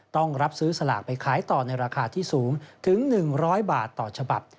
ต้องรับซื้อสลากไปขายต่อในราคาที่สูงถึง๑๐๐บาทต่อฉบับ